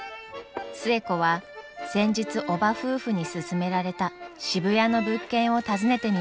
寿恵子は先日叔母夫婦に勧められた渋谷の物件を訪ねてみました。